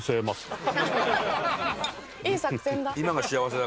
いい作戦だ。